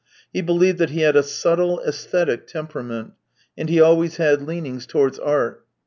He believed that he had a subtle, aesthetic temperament, and he always had leanings towards art.